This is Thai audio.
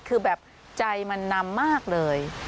คือแบบใจมันนำมากเลย